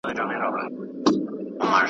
دا هم ژوند دی چي ستا سر در جوړومه .